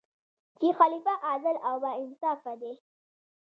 چې خلیفه عادل او با انصافه دی.